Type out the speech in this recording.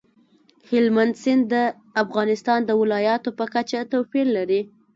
هلمند سیند د افغانستان د ولایاتو په کچه توپیر لري.